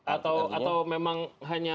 atau memang hanya